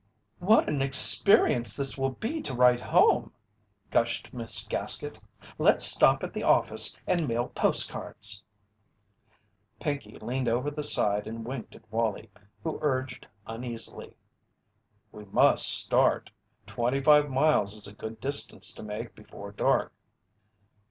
"What an experience this will be to write home!" gushed Miss Gaskett. "Let's stop at the office and mail post cards." Pinkey leaned over the side and winked at Wallie, who urged uneasily: "We must start. Twenty five miles is a good distance to make before dark."